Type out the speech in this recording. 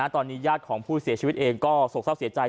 ตอนนี้ญาติของผู้เสียชีวิตเองก็โศกเศร้าเสียใจ